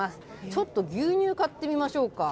ちょっと牛乳買ってみましょうか。